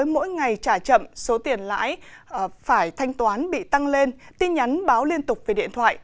mỗi ngày trả chậm số tiền lãi phải thanh toán bị tăng lên tin nhắn báo liên tục về điện thoại